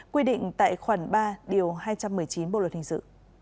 quy định tại khoản ba điều hai trăm một mươi chín bộ luật hình dự